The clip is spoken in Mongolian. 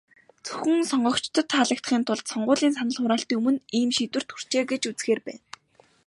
Зөвхөн сонгогчдод таалагдахын тулд, сонгуулийн санал хураалтын өмнө ийм шийдвэрт хүрчээ гэж үзэхээр байна.